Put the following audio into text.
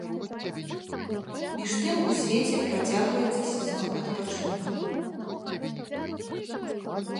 Між тым у свеце працягваецца сезон адпачынкаў.